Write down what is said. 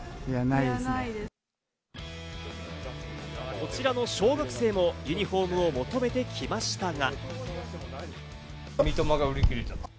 こちらの小学生もユニホームを求めて来ましたが。